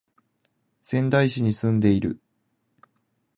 仙台市に住んでいる